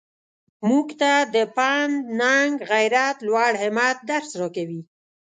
موږ ته د پند ننګ غیرت لوړ همت درس راکوي.